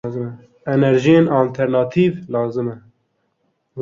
Enerjiyên alternatîv lazim e.